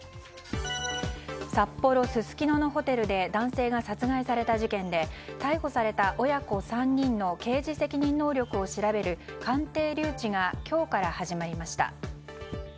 札幌・すすきののホテルで男性が殺害された事件で逮捕された親子３人の刑事責任能力を調べる鑑定留置が今日から始まりました。